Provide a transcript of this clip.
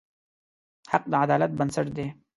حق د عدالت بنسټ دی.